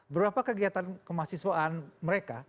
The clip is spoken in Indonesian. berapa kegiatan kemahsiswaan mereka